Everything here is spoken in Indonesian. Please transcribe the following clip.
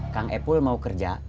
kang epul mau kerja